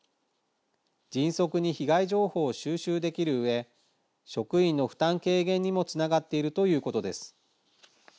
迅速に被害情報を収集できるうえ職員の負担軽減にもつながっているということです。